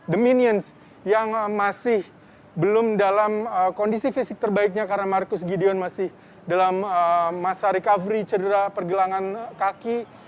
the minions yang masih belum dalam kondisi fisik terbaiknya karena marcus gideon masih dalam masa recovery cedera pergelangan kaki